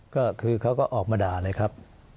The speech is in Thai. ก็คือเขาก็ออกมาด่าเลยครับ